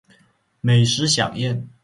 美食飨宴